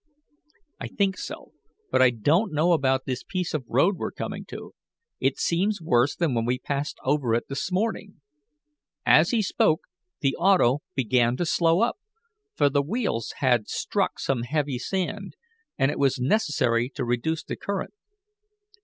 "I think so, but I don't know about this piece of road we're coming to. It seems worse than when we passed over it this morning." As he spoke the auto began to slow up, for the wheels had struck some heavy sand, and it was necessary to reduce the current.